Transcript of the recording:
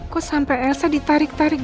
kok sampai elsa ditarik tarik